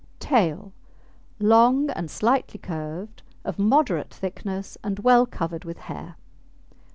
TAIL Long and slightly curved, of moderate thickness, and well covered with hair.